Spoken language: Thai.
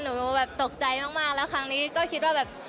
หนูแบบตกใจมากแล้วครั้งนี้ก็คิดว่าแบบ